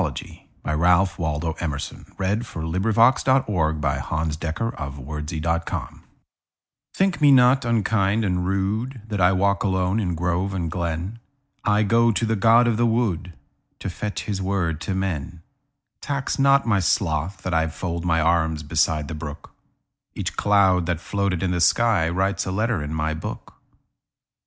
1909–14. Ralph Waldo Emerson 764. The Apology THINK me not unkind and rudeThat I walk alone in grove and glen;I go to the god of the woodTo fetch his word to men. Tax not my sloth that IFold my arms beside the brook; Each cloud that floated in the skyWrites a letter in my book.